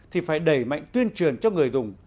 thì phải đẩy mạnh tuyên truyền cho người dùng